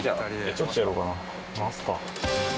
ちょっとやろうかな。